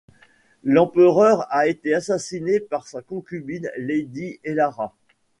L'empereur a été assassiné par sa concubine Lady Elara.